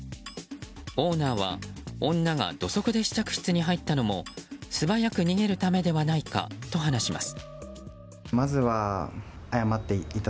オーナーは女が土足で試着室に入ったのも素早く逃げるためではないかと話します。